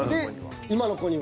今の子には。